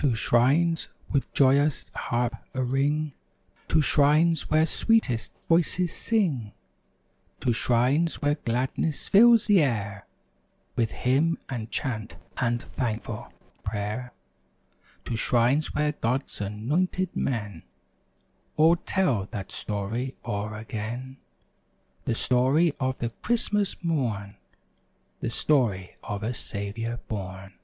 To shrines with joyous harp a ring; To shrines where sweetest voices sing; To shrines where gladness fills the air With hymn and chant and thankful prayer; To shrines where GocPs anointed men All tell that Story o'er again; The Story of the Christmas Morn! The Story of a Saviour born!